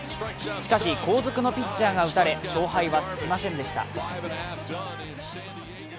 しかし、後続のピッチャーが打たれ、勝敗はつきませんでした。